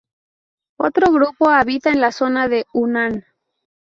Otro grupo habita en la zona de Hunan.